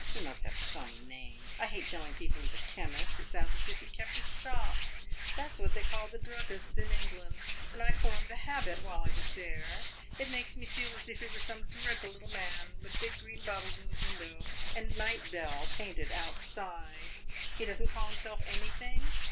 He must have some name. I hate telling people he 's a chemist; it sounds just as if he kept a shop. That 's what they call the druggists in England, and I formed the habit while I was there. It makes me feel as if he were some dreadful little man, with big green bottles in the window and 'night bell' painted outside. He does n't call himself anything?